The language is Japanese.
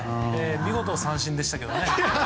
見事、三振でしたけどね。